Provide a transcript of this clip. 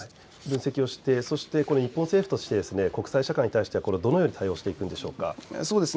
分析をして日本政府として国際社会に対してはどう対応していくのでしょうか。